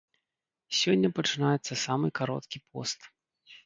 Сёння пачынаецца самы кароткі пост.